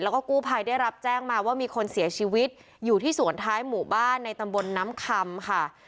แล้วก็กู้ภัยได้รับแจ้งมาว่ามีคนเสียชีวิตอยู่ที่สวนท้ายหมู่บ้านในตำบลน้ำคำค่ะ